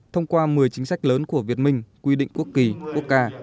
thông qua một mươi chính sách lớn của việt minh quy định quốc kỳ quốc ca